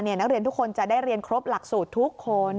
นักเรียนทุกคนจะได้เรียนครบหลักสูตรทุกคน